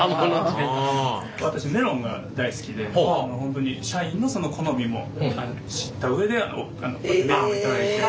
私メロンが大好きで本当に社員の好みも知った上でメロンを頂いて。